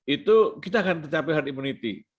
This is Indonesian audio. itu kita akan tercapai herd immunity